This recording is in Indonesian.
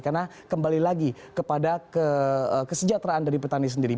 karena kembali lagi kepada kesejahteraan dari petani sendiri